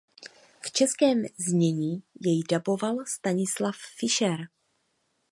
V českém znění jej daboval Stanislav Fišer.